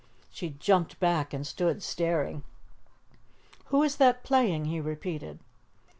She jumped back and stood staring. "Who is that playing?" he repeated.